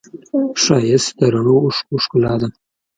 ښایست د رڼو اوښکو ښکلا ده